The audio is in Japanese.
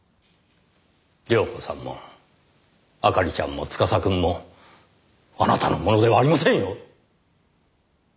亮子さんも明里ちゃんも司くんもあなたのものではありませんよ！